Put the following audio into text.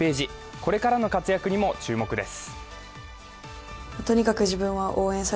これからの活躍にも注目です。